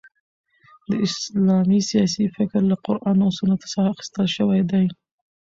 د اسلامی سیاسي فکر له قران او سنتو څخه اخیستل سوی دي.